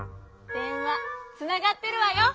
でんわつながってるわよ！